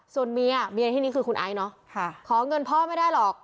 ส่วนเมียเมียที่นี้คือคุณไอซ์เนาะขอเงินพ่อไม่ได้หรอก